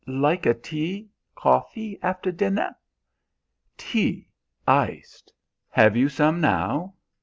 "Lika tea coffee after dinna?" "Tea iced. Have you some now?